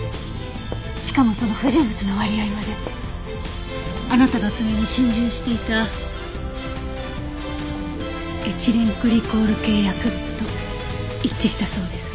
しかもその不純物の割合まであなたの爪に浸潤していたエチレングリコール系薬物と一致したそうです。